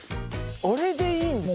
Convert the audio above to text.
あれでいいんですか？